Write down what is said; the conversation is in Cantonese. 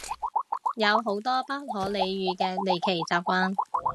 有好多不可理喻嘅離奇習慣